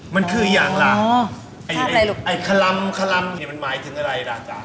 มันคืออย่างล่ะไอ้คลำนี่มันหมายถึงอะไรล่ะจ๊ะ